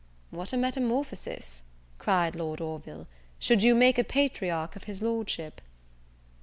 "What a metamorphosis," cried Lord Orville," should you make a patriarch of his Lordship."